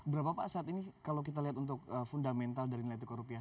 berapa pak saat ini kalau kita lihat untuk fundamental dari nilai tukar rupiah